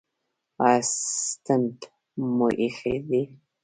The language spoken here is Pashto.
ایا سټنټ مو ایښی دی؟